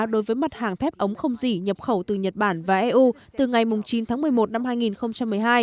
đối với mặt hàng thép ống không dỉ nhập khẩu từ nhật bản và eu từ ngày chín tháng một mươi một năm hai nghìn một mươi hai